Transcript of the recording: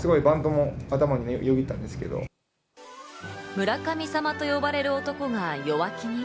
「村神様」と呼ばれる男が弱気に。